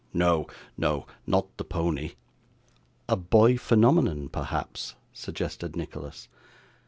No, no, not the pony.' 'A boy phenomenon, perhaps?' suggested Nicholas.